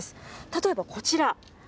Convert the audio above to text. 例えばこちら。